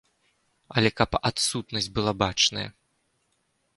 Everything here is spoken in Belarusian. Але каб адсутнасць была бачная.